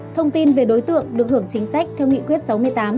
thông tin về đối tượng được hưởng chính sách theo nghị quyết sáu mươi tám